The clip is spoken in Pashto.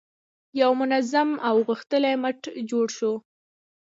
یو منظم او غښتلی امت جوړ شو.